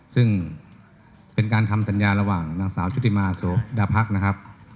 ซึ่งเป็นการทำสัญญา